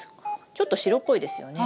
ちょっと白っぽいですよね。